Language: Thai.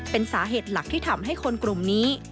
เป็นสาเหตุหลักที่ทำให้คนกลุ่มนี้